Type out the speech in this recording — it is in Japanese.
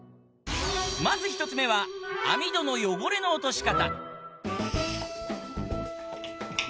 まず１つ目は網戸の汚れの落とし方